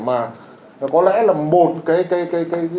mà có lẽ là một cái